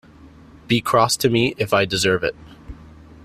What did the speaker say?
Be cross to me if I deserve it.